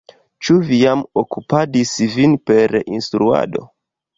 Ĉu vi jam okupadis vin per instruado?